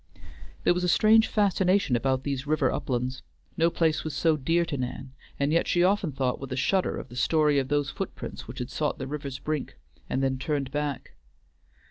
There was a strange fascination about these river uplands; no place was so dear to Nan, and yet she often thought with a shudder of the story of those footprints which had sought the river's brink, and then turned back.